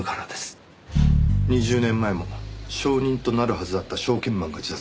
２０年前も証人となるはずだった証券マンが自殺。